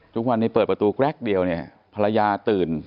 ทุกวันนี้เปิดประตูแกรกเดียวเนี่ยภรรยาตื่น